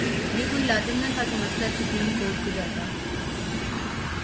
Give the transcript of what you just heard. یہ کوئی لازم نہ تھا کہ مسئلہ سپریم کورٹ کو جاتا۔